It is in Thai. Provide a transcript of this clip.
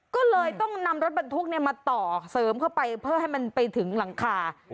ก็เลยต้องนำรถบรรทุกมาต่อเสริมเข้าไปเพื่อให้มันไปถึงหลังคา